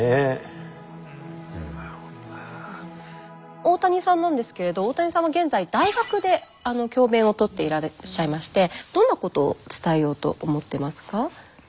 大谷さんなんですけれど大谷さんは現在大学で教べんをとっていらっしゃいましてどんなことを伝えようと思ってますか。